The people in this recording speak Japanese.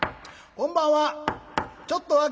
こんばんは」。